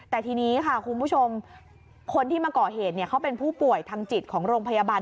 แต่ทีนี้ค่ะคุณผู้ชมคนที่มาก่อเหตุเขาเป็นผู้ป่วยทางจิตของโรงพยาบาล